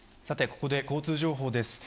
ここで交通情報です。